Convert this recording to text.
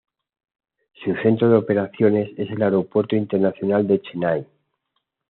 Su centro de operaciones es el Aeropuerto Internacional de Chennai.